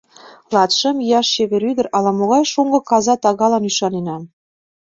Латшым ияш чевер ӱдыр ала-могай шоҥго каза тагалан ӱшаненам.